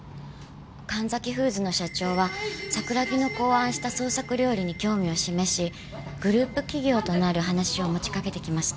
神崎フーズの社長は桜木の考案した創作料理に興味を示しグループ企業となる話を持ちかけてきました。